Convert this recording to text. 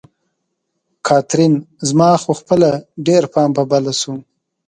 کاترین: زما خو خپله ډېر پام په بله شو.